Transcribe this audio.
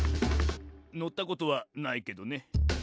「のったことはないけどね」